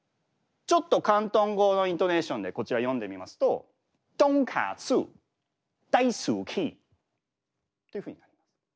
ちょっと広東語のイントネーションでこちら読んでみますととんかつだいすきっていうふうに。